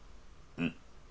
うん。